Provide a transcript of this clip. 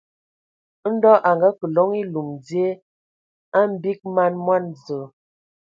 Ndɔ a ngakǝ loŋ elum dzie a mgbig man mo zen.